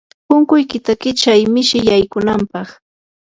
punkuykita kichay mishi yaykunapaq.